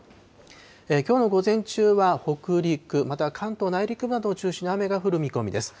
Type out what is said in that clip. きょうの午前中は北陸、または関東内陸部などを中心に雨が降る見込みです。